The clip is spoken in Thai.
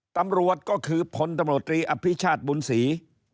ตำรวจก็คือพลตำรวจตรีอภิชาติบุญศรี